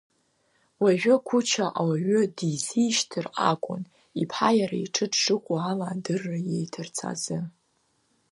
Уажәы қәыча ауаҩы дизишьҭыр акәын, иԥҳа иара иҿы дшыҟоу ала адырра ииҭарц азы.